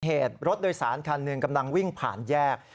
เหตุรถโดยสารคันหนึ่งกำลังวิ่งผ่านแยก